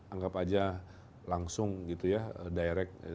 anggap aja langsung gitu ya direct